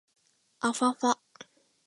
あふぁふぁ